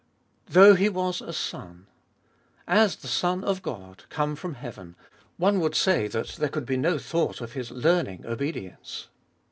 Though He was a Son. As the Son of God, come from heaven, one would say that there could be no thought of His learning obedience.